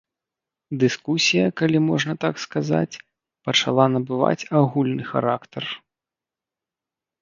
Дыскусія, калі можна так сказаць, пачала набываць агульны характар.